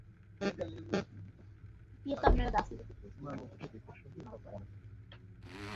তাঁদের সঙ্গে যোগাযোগ রয়েছে এমন কিছু ব্যক্তির সঙ্গেও কথা বলা হয়েছে।